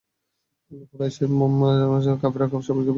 আর কুরাইশের কাফেররা সর্বশক্তিতে তা প্রতিহত করছে।